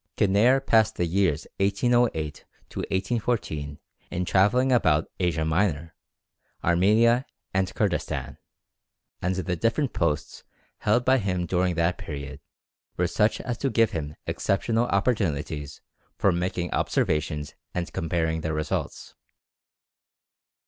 Kinneir passed the years 1808 to 1814 in travelling about Asia Minor, Armenia, and Kurdistan; and the different posts held by him during that period were such as to give him exceptional opportunities for making observations and comparing their results.